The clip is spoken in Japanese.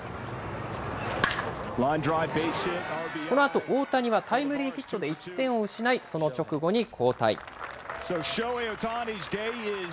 このあと、大谷はタイムリーヒットで１点を失い、その直後に交代。